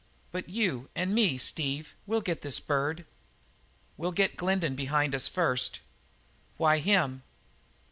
"But you and me, Steve, we'll get this bird." "We'll get Glendin behind us first." "Why him?"